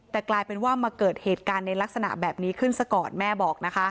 แต่กลายเป็นว่ามาเกิดเหตุการณ์ในลักษณะแบบนี้ขึ้นซะก่อนแม่บอกนะคะ